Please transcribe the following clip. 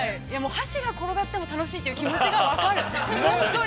◆箸が転がっても楽しいという気持ちが分かる。